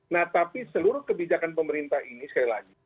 nah tapi seluruh kebijakan pemerintah ini sekali lagi